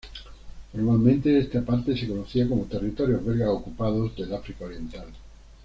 Formalmente esta parte se conocía como "Territorios Belgas Ocupados del África Oriental".